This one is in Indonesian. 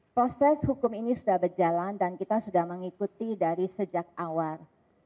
proses hukum ini sudah berjalan dan kita sudah mengikuti dari sejak awal